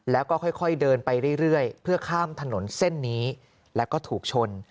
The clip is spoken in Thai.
แล้วก็ค่อยเดินไปเรื่อยเพื่อข้ามถนนเส้นนี้แล้วก็ถูกชน